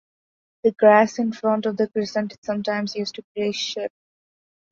The grass in front of the crescent is sometimes used to graze sheep.